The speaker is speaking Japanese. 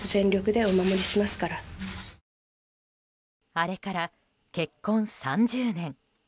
あれから結婚３０年。